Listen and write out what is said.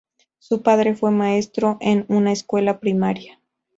Su padre fue maestro en una Escuela Primaria.